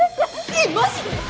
えっマジで！？